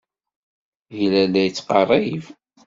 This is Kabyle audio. Yella la d-yettqerrib.